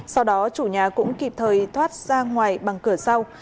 sau đó chủ nhà cũng kịp thời thoát ra ngoài bằng cửa sau